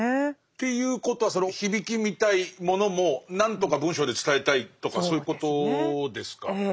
っていうことはその響きみたいものも何とか文章で伝えたいとかそういうことですか。